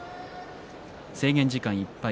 制限時間いっぱい。